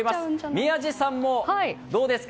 宮司さんもどうですか。